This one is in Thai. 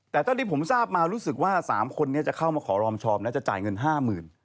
แต่ตอนนี้ผมทราบมารู้สึกว่าสามคนนี้จะเข้ามาขอรอมชอบแล้วจะจ่ายเงินห้าหมื่น